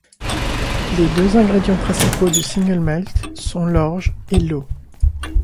Les deux ingrédients principaux du single malt sont l'orge et l'eau.